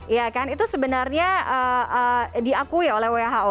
ya kan itu sebenarnya diakui oleh who